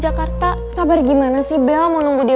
buat abis selesai uem dahi